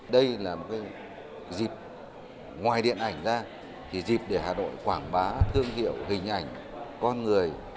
đây là một dịp ngoài điện ảnh ra thì dịp để hà nội quảng bá thương hiệu hình ảnh con người